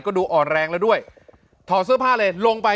ก็ดูอ่อนแรงแล้วด้วยถอดเสื้อผ้าเลยลงไป